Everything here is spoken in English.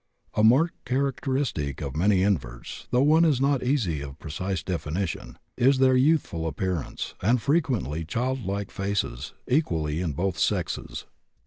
A marked characteristic of many inverts, though one not easy of precise definition, is their youthfulness of appearance, and frequently child like faces, equally in both sexes.